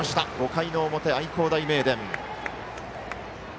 ５回の表、愛工大名電。